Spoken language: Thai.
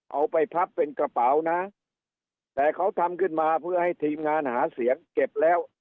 เอาไปพับเป็นกระเป๋านะแต่เขาทำขึ้นมาเพื่อให้ทีมงานหาเสียงเก็บแล้ว